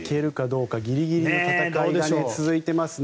ギリギリの戦いが続いていますね。